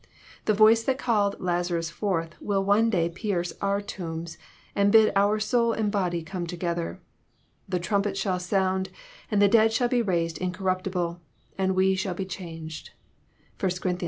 The voice that called Lazarus forth will one day pierce our tombs, and bid soul and body come together. '^The trumpets shall sound, and the dead shall be raised incor ruptible, and we shall be changed." (1 Cor.